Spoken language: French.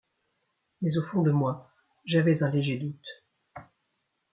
Mais au fond de moi, j’avais un léger doute.